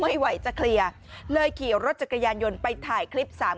ไม่ไหวจะเคลียร์เลยขี่รถจักรยานยนต์ไปถ่ายคลิปสาม